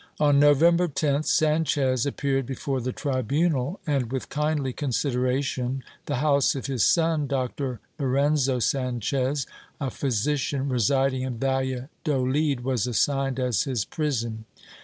On November 10th Sanchez appeared before the tribunal and, with kindly consideration, the house of his son. Dr. Lorenzo Sanchez, a physician residing in Valladolid, was assigned as his prison.